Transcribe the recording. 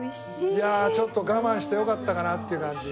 いやあちょっと我慢してよかったかなっていう感じ。